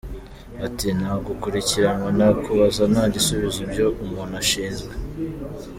Ati “Nta gukurikiranwa, nta kubaza, nta gusubiza ibyo umuntu ashinzwe.